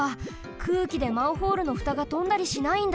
くうきでマンホールのふたがとんだりしないんだ。